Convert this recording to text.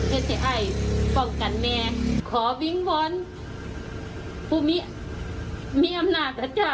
เห็นเท่าไหร่ปล่องกันแม่ขอบิงพอคุมีมีอำนาจนะจ้ะ